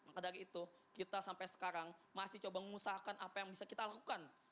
maka dari itu kita sampai sekarang masih coba mengusahakan apa yang bisa kita lakukan